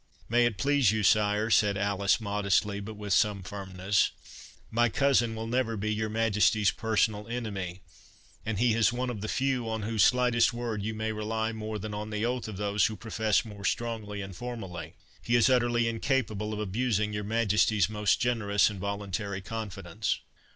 "May it please you, sire," said Alice, modestly, but with some firmness, "my cousin will never be your Majesty's personal enemy—and he is one of the few on whose slightest word you may rely more than on the oath of those who profess more strongly and formally. He is utterly incapable of abusing your Majesty's most generous and voluntary confidence."